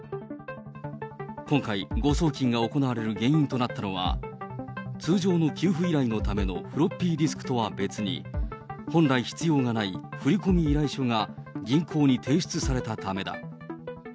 今回、誤送金が行われる原因となったのは、通常の給付依頼のためのフロッピーディスクとは別に、本来必要がない振込依頼書が銀行に提出されたためだ。